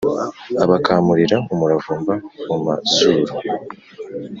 Abakamurira umuravumba mu mazuru